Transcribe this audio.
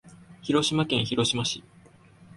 広島県広島市